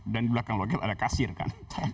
dan di belakang loket ada kasir kan